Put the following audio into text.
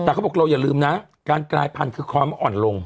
แต่เขาบอกเราอย่าลืมนะการกลายพันธุ์คือคอนมันอ่อนลง